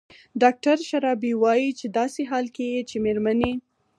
ډاکتر شرابي وايي په داسې حال کې چې مېرمنې